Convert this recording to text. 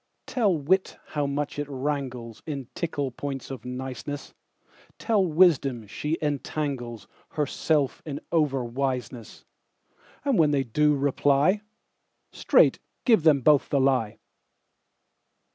Tell wit how much it wranglesIn tickle points of niceness; Tell wisdom she entanglesHerself in over wiseness:And when they do reply, Straight give them both the lie.